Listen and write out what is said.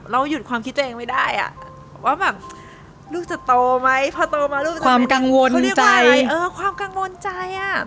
เราหยุดความคิดตัวเองไม่ได้ว่าลูกจะโตไหมพอโตมาความกังวลใจ